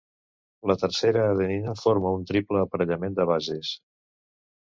La tercera adenina forma un triple aparellament de bases.